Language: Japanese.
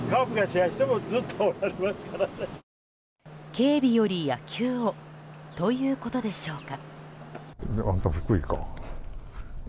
警備より野球をということでしょうか。